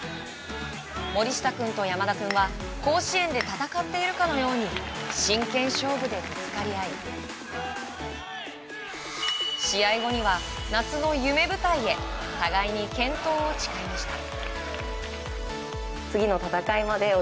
森下君と山田君は甲子園で戦っているかのように真剣勝負でぶつかり合い試合後には、夏の夢舞台へ互いに健闘を誓いました。